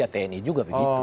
tni juga begitu